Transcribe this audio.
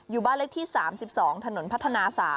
อยู่บ้านเลขที่๓๒ถนนพัฒนา๓